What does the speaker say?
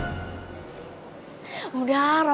nih ampun ya allah lebat lah